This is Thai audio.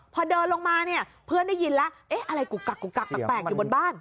พอเดินลงมาเพื่อนได้ยินแล้วอะไรกุกกักแปลกอยู่บนบ้าน